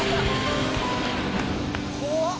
怖っ。